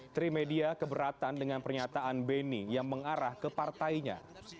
trimedia keberatan dengan pernyataan beni yang mengarah ke partainya